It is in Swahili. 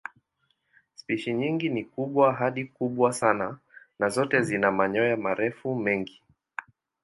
Spishi nyingi ni kubwa hadi kubwa sana na zote zina manyoya marefu mengi.